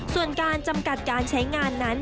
ส่วนการจำกัดการใช้งานนั้น